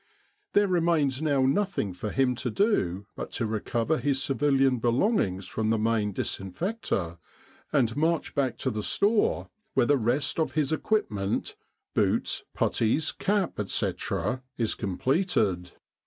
There remains now nothing for him to do but to recover his civilian belongings from the main disinfector, and march back to the store, where the rest of his equip ment boots, puttees, cap, etc. is completed.